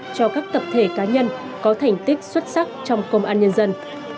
cho các tập thể cá nhân có thành tích xuất sắc trong công an nhân dân